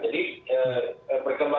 walaupun ppkm nya satu bulan